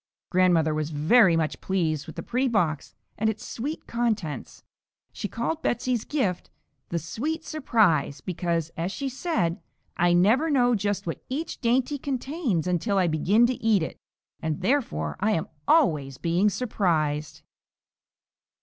Grandmother was very much pleased with the pretty box and its "sweet contents." She called Betsey's gift, "the sweet surprise," because, as she said, "I never know just what each dainty contains until I begin to eat it, and, therefore, I am always being surprised."